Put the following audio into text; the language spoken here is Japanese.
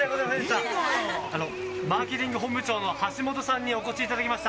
マーケティング本部長の橋本さんにお越しいただきました。